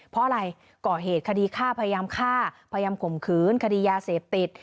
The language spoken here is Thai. เพราะอะไรก่อเหตุคดีฆ่าพยายามฆ่าพยายามข่มขืนคดียาเสพติด